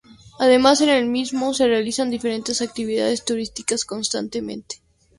Además, en el mismo se realizan diferentes actividades turísticas constantemente.